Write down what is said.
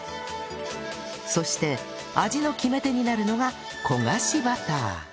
そして味の決め手になるのが焦がしバター